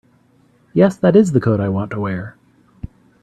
Yes, that IS the coat I want to wear.